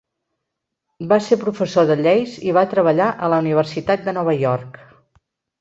Va ser professor de lleis i va treballar a la Universitat de Nova York.